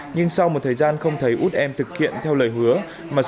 nhưng sau một thời gian không thấy út em thực hiện theo lời hứa